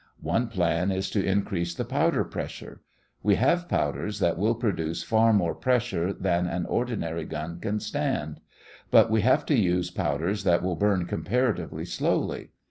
One plan is to increase the powder pressure. We have powders that will produce far more pressure than an ordinary gun can stand. But we have to use powders that will burn comparatively slowly.